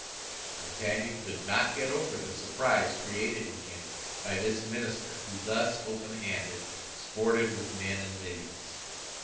D'Artagnan could not get over the surprise created in him by this minister, who thus open handed, sported with men and millions.